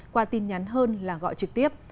qua tin nhắn hơn là gọi trực tiếp